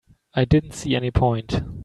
I didn't see any point.